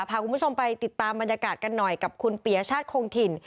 พาคุณผู้ชมไปติดตามบรรยากาศกันหน่อยกับคุณปียชาติคงถิ่น